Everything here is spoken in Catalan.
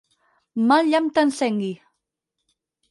Mal llamp t'encengui!